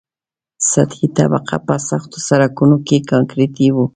سطحي طبقه په سختو سرکونو کې کانکریټي وي